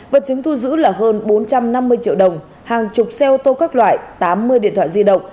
vật chứng thu giữ là hơn bốn trăm năm mươi triệu đồng hàng chục xe ô tô các loại tám mươi điện thoại di động